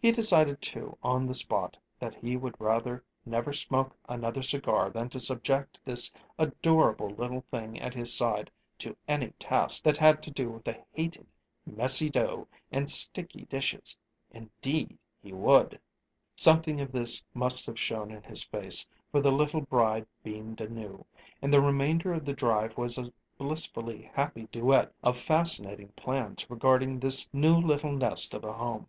He decided, too, on the spot, that he would rather never smoke another cigar than to subject this adorable little thing at his side to any task that had to do with the hated "messy dough and sticky dishes." Indeed he would! Something of this must have shown in his face, for the little bride beamed anew, and the remainder of the drive was a blissfully happy duet of fascinating plans regarding this new little nest of a home.